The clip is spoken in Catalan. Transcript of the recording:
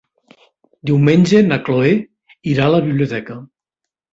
Diumenge na Cloè irà a la biblioteca.